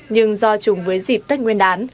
nhưng do chùng với dịp tết nguyên đán